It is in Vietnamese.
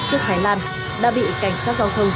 trước thái lan đã bị cảnh sát giao thông